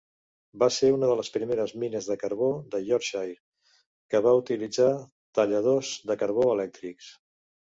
Va ser una de les primeres mines de carbó de Yorkshire que va utilitzar talladors de carbó elèctrics.